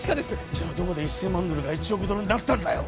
じゃあどこで１千万ドルが１億ドルになったんだよ